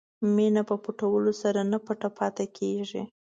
مینه په پټولو سره نه پټه پاتې کېږي.